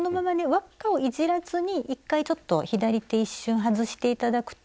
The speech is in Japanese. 輪っかをいじらずに１回ちょっと左手一瞬外して頂くと。